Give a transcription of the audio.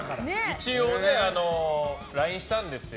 一応ＬＩＮＥしたんですよ。